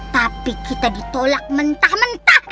tapi kita ditolak mentah mentah